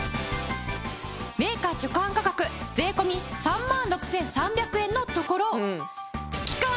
メーカー直販価格税込３万６３００円のところ期間